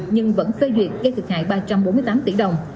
nhưng vẫn phê duyệt gây thiệt hại ba trăm bốn mươi tám tỷ đồng